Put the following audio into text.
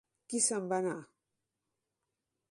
Qui se'n va anar?